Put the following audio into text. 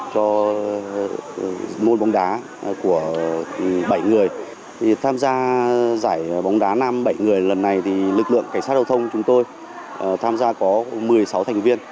cho môn bóng đá của bảy người tham gia giải bóng đá nam bảy người lần này thì lực lượng cảnh sát giao thông chúng tôi tham gia có một mươi sáu thành viên